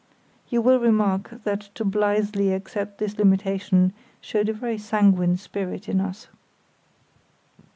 (You will remark that to blithely accept this limitation showed a very sanguine spirit in us.)